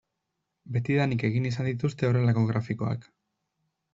Betidanik egin izan dituzte horrelako grafikoak.